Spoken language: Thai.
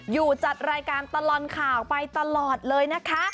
อยู่จัดรายการตลอดข่าวไปตลอดเลยนะคะ